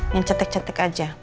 yang cetek cetek aja